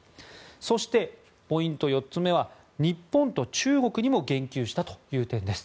そして、ポイント４つ目は日本と中国にも言及したという点です。